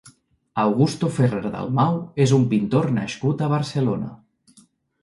Augusto Ferrer-Dalmau és un pintor nascut a Barcelona.